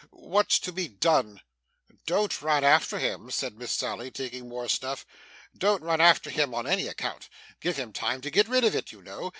What's to be done?' 'Don't run after him,' said Miss Sally, taking more snuff. 'Don't run after him on any account. Give him time to get rid of it, you know.